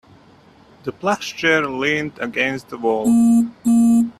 The plush chair leaned against the wall.